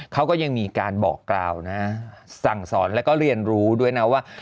เขาก็ยังมีการบอกกล่าวนะสั่งสอนแล้วก็เรียนรู้ด้วยนะว่า